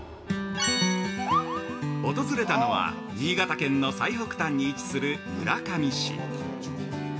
訪れたのは、新潟県の最北端に位置する「村上市」。